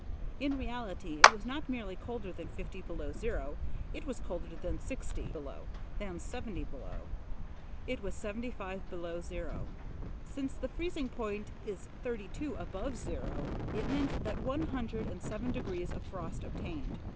In reality, it was not merely colder than fifty below zero; it was colder than sixty below, than seventy below. It was seventy five below zero. Since the freezing point is thirty two above zero, it meant that one hundred and seven degrees of frost obtained.